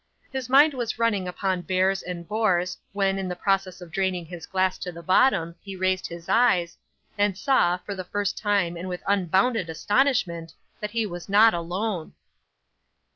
His mind was running upon bears and boars, when, in the process of draining his glass to the bottom, he raised his eyes, and saw, for the first time and with unbounded astonishment, that he was not alone.